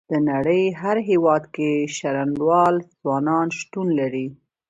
د نړۍ هر هيواد کې شرنوال ځوانان شتون لري.